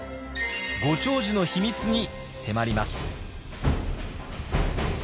ご長寿の秘密に迫ります。